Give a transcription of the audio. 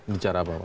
bicara apa pak